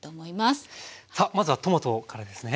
さあまずはトマトからですね。